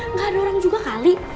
nggak ada orang juga kali